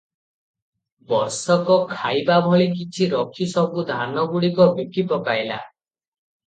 ବର୍ଷକ ଖାଇବା ଭଳି କିଛି ରଖି ସବୁ ଧାନଗୁଡିକ ବିକି ପକାଇଲା ।